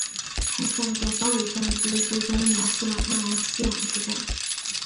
凯撒在高卢战记一书中描述了阿莱西亚之战。